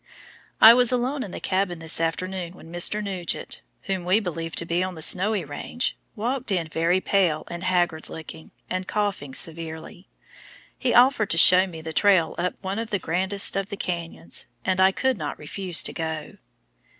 I was alone in the cabin this afternoon when Mr. Nugent, whom we believed to be on the Snowy Range, walked in very pale and haggard looking, and coughing severely. He offered to show me the trail up one of the grandest of the canyons, and I could not refuse to go.